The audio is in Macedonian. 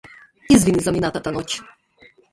Извини за минатата ноќ.